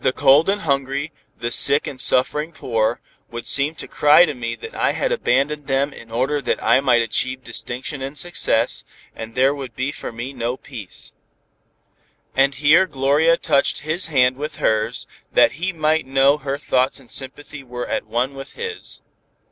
The cold and hungry, the sick and suffering poor, would seem to cry to me that I had abandoned them in order that I might achieve distinction and success, and there would be for me no peace." And here Gloria touched his hand with hers, that he might know her thoughts and sympathy were at one with his.